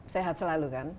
sehat selalu kan